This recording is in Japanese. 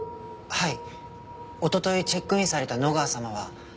はい。